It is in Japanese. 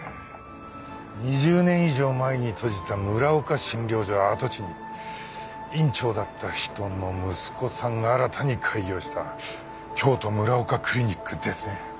２０年以上前に閉じた村岡診療所跡地に院長だった人の息子さんが新たに開業した京都ＭＵＲＡＯＫＡクリニックですね。